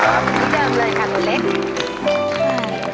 นี่เดิมเลยค่ะหนูเล็ก